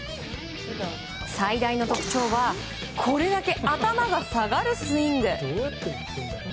最大の特徴はこれだけ頭が下がるスイング。